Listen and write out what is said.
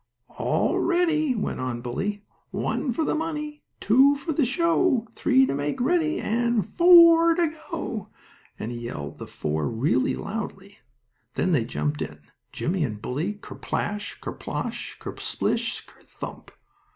"All ready," went on Bully. "One for the money, two for a show, three to make ready and FOUR to go!" and he yelled the "FOUR" real loudly. Then they jumped in, Jimmie and Bully, ker splash, ker splosh, ker splish, ker thump!